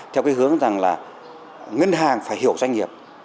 theo cái hướng rằng là ngân hàng phải hiểu doanh nghiệp